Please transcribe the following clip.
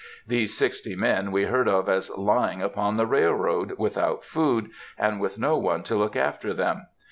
These sixty men we heard of as lying upon the railroad, without food, and with no one to look after them.